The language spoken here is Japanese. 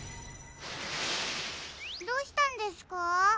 どうしたんですか？